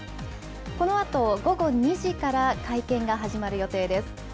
このあと午後２時から会見が始まる予定です。